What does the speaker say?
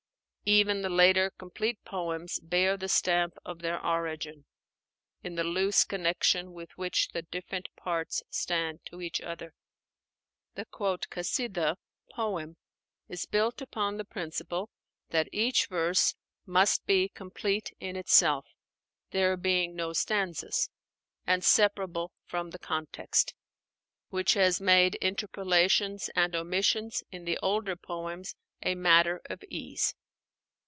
Even the later complete poems bear the stamp of their origin, in the loose connection with which the different parts stand to each other. The "Kasídah" (poem) is built upon the principle that each verse must be complete in itself, there being no stanzas, and separable from the context; which has made interpolations and omissions in the older poems a matter of ease.